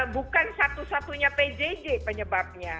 bukan satu satunya pjj penyebabnya